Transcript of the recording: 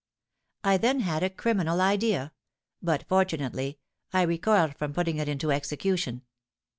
I then had a criminal idea; but, fortunately, I recoiled from putting it into execution.